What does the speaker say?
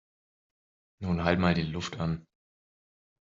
Nun halt mal die Luft an!